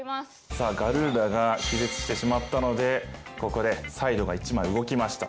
さあガルーダが気絶してしまったのでここでサイドが１枚動きました。